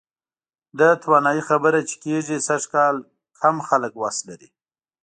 د توانایي خبره چې کېږي، سږکال کم خلک وس لري.